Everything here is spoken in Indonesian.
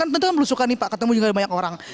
tentu kan belusukan nih pak ketemu juga banyak orang